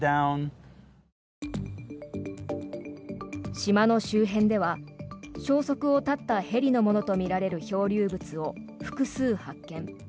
島の周辺では消息を絶ったヘリのものとみられる漂流物を複数発見。